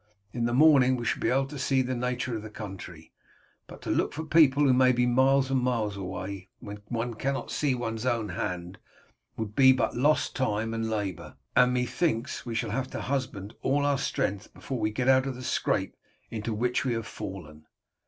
In the morning we shall be able to see the nature of the country, but to look for people who may be miles and miles away, when one cannot see one's own hand, would be but lost time and labour, and methinks we shall have need to husband all our strength before we get out of the scrape into which we have fallen.